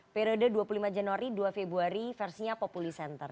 periode dua puluh lima januari dua februari versinya populi center